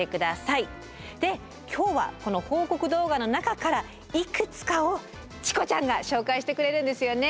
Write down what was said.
で今日はこの報告動画の中からいくつかをチコちゃんが紹介してくれるんですよね。